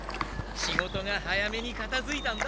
仕事が早めにかたづいたんだ。